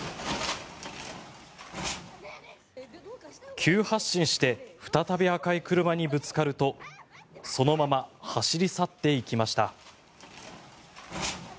急発進して再び赤い車にぶつかるとそのまま走り去っていきました。